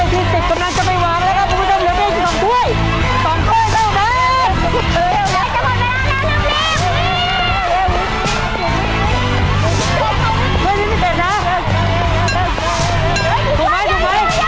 ที่๓นะคะตอนนี้เสร็จไปแล้วนะครับ